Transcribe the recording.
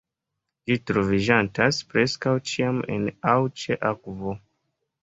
Ĝi troviĝantas preskaŭ ĉiam en aŭ ĉe akvo.